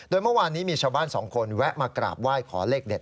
โดยเมื่อวานนี้มีชาวบ้านสองคนแวะมากราบไหว้ขอเลขเด็ด